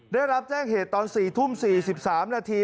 ได้รับแจ้งเหตุตอน๔ทุ่ม๔๓นาที